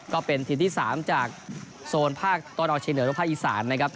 ก็เป็นทีมที่๓จากโซนภาคตอนออกเชียงเหนือและภาคอีสานนะครับ